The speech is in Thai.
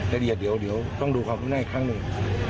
แดดเดี๋ยวต้องดูความคิดหน้าอีกครั้งหนึ่ง